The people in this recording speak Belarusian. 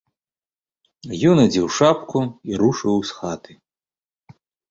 Ён адзеў шапку і рушыў з хаты.